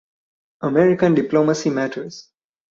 American diplomacy matters.